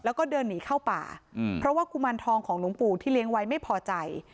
แล้วก็เดินหนีเข้าป่าเพราะว่ากุมารทองของหลวงปู่ที่เลี้ยงไว้ไม่พอใจ